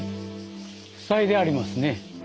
塞いでありますね。